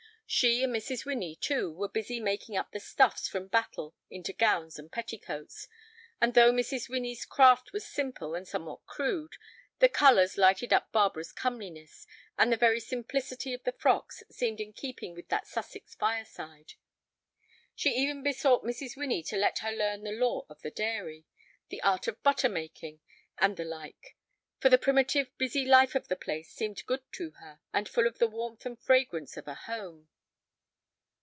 She and Mrs. Winnie, too, were busy making up the stuffs from Battle into gowns and petticoats, and though Mrs. Winnie's craft was simple and somewhat crude, the colors lighted up Barbara's comeliness, and the very simplicity of the frocks seemed in keeping with that Sussex fireside. She even besought Mrs. Winnie to let her learn the lore of the dairy, the art of butter making, and the like; for the primitive, busy life of the place seemed good to her, and full of the warmth and fragrance of a home.